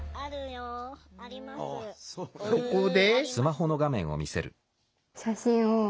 そこで。